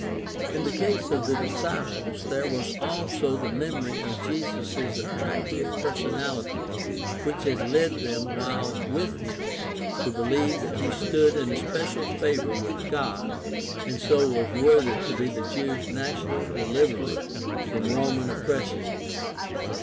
In the case of the disciples there was also the memory of Jesus' attractive personahty which had led them while with him to believe that he stood in especial favor with God and so was worthy to be the Jews' national deliverer from Roman oppression.